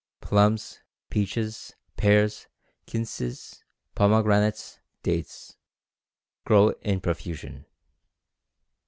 Plums, peaches, pears, quinces, pomegranates, dates, grow in profusion.